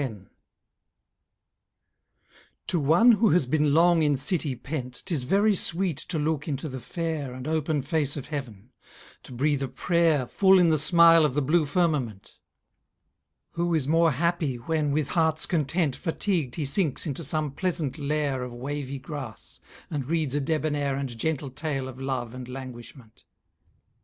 To one who has been long in city pent, 'Tis very sweet to look into the fair And open face of heaven, to breathe a prayer Full in the smile of the blue firmament. Who is more happy, when, with hearts content, Fatigued he sinks into some pleasant lair Of wavy grass, and reads a debonair And gentle tale of love and languishment?